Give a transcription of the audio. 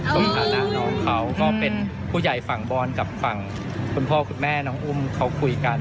สถานะน้องเขาก็เป็นผู้ใหญ่ฝั่งบอลกับฝั่งคุณพ่อคุณแม่น้องอุ้มเขาคุยกัน